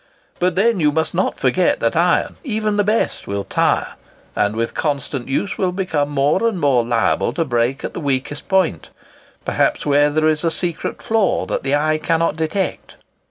But then you must not forget that iron, even the best, will 'tire,' and with constant use will become more and more liable to break at the weakest point—perhaps where there is a secret flaw that the eye cannot detect.